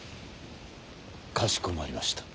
かしこまりました。